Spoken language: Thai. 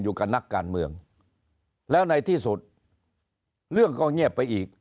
อยู่กับนักการเมืองแล้วในที่สุดเรื่องก็เงียบไปอีก